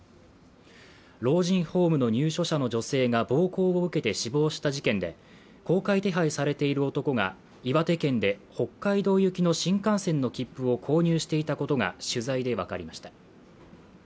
老人ホームの入所者の女性が暴行を受けて死亡した事件で公開手配されている男が岩手県で北海道行きの新幹線の切符を購入していたことが取材でわかりました